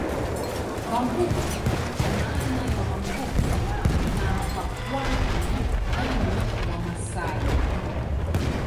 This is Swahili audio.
Vambughu kwa maana ya Wambugu na Vakwavi yani Wamasai